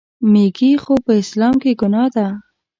میږي خو په اسلام کې ګناه ده.